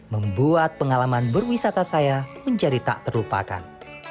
membuat pengalaman berwisata saya menjadi tak terlupakan